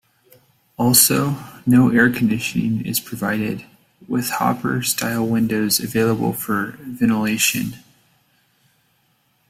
Also, no air conditioning is provided, with hopper style windows available for ventilation.